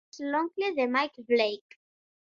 És l'oncle de Mike Blake.